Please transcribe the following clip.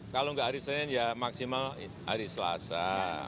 kalau nggak hari senin ya maksimal hari selasa